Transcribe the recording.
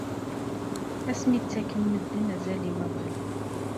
Asmi i ttaken medden azal i wawal.